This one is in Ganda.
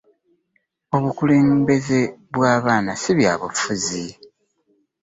Obukulembeze bw'abaana si byabufuzi.